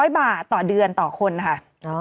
๓๐๐บาทต่อเดือนต่อคนนะคะ